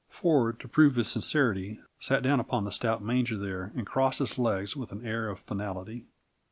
Ford, to prove his sincerity, sat down upon the stout manger there, and crossed his legs with an air of finality.